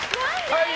はい！